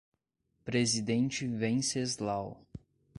Presidente Venceslau